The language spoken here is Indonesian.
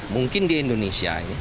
mungkin di indonesia